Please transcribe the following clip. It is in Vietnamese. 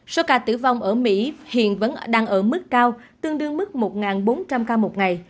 số ca tử vong ở mỹ hiện vẫn đang ở mức cao tương đương mức một bốn trăm linh ca một ngày